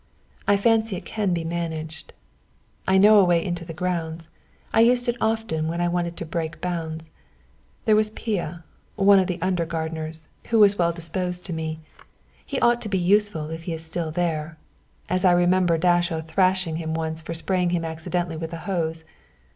"I fancy it can be managed. I know a way into the grounds. I used it often when I wanted to break bounds. There was Pia, one of the under gardeners, who was well disposed to me. He ought to be useful if he is still there, as I remember Dasso thrashing him once for spraying him accidentally with a hose.